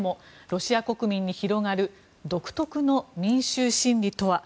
ロシア国民に広がる独特の民衆心理とは。